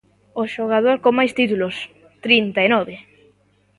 O xogador con máis títulos, trinta e nove.